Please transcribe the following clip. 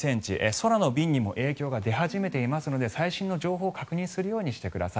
空の便にも影響が出始めていますので最新の情報を確認するようにしてください。